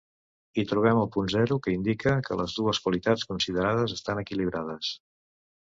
Hi trobem el punt zero, que indica que les dues qualitats considerades estan equilibrades.